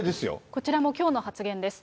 こちらもきょうの発言です。